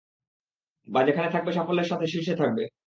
বা যেখানে থাকবে সাফল্যের সাথে শীর্ষে থাকবে।